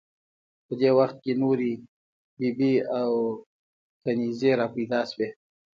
په دې وخت کې نورې بي بي او کنیزې را پیدا شوې.